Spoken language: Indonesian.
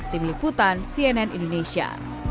tim liputan cnn indonesia